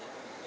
itu aja sih